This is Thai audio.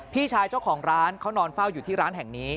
พี่ชายเจ้าของร้านเขานอนเฝ้าอยู่ที่ร้านแห่งนี้